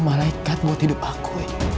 malaikat buat hidup aku